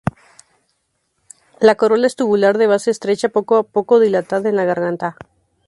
La corola es tubular, de base estrecha, poco a poco dilatada en la garganta.